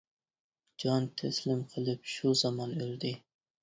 جان تەسلىم قىلىپ شۇ زامان ئۆلدى.